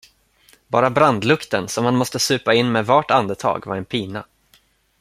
Bara brandlukten, som han måste supa in med vart andetag, var en pina.